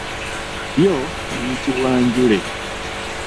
Byo biyitibwa njule.